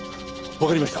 わかりました。